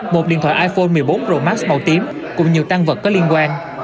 một điện thoại iphone một mươi bốn pro max màu tím cùng nhiều tăng vật có liên quan